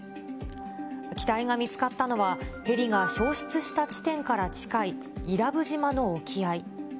機体が見つかったのは、ヘリが消失した地点から近い、伊良部島の沖合。